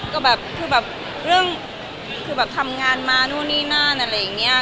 ก็แบบเรื่องทำงานมานู่นนี่นั่นอะไรอย่างนี้